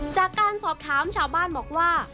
จากการสอบถามชาวบ้านบอกว่า